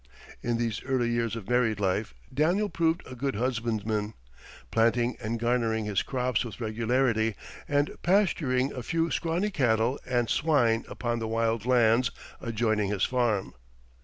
] In these early years of married life Daniel proved a good husbandman, planting and garnering his crops with regularity, and pasturing a few scrawny cattle and swine upon the wild lands adjoining his farm.